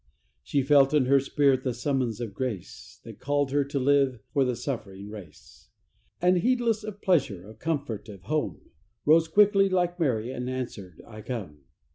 She felt in her spirit the summons of grace, That called her to live for the suffering race; And heedless of pleasure, of comfort, of home, Rose quickly like Mary and answered, "I come."